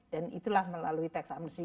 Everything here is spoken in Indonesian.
dan itulah melalui tax amnesty